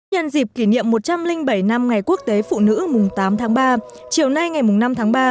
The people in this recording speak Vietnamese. nhân dịp kỷ niệm một trăm linh bảy năm ngày quốc tế phụ nữ mùng tám tháng ba chiều nay ngày năm tháng ba